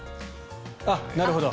ああ、なるほど。